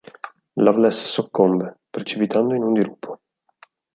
Loveless soccombe, precipitando in un dirupo.